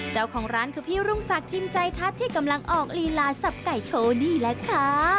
เจ้าของร้านคือพี่รุ่งศักดิมใจทัศน์ที่กำลังออกลีลาสับไก่โชว์นี่แหละค่ะ